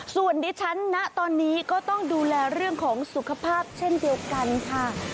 ส่วนดิฉันนะตอนนี้ก็ต้องดูแลเรื่องของสุขภาพเช่นเดียวกันค่ะ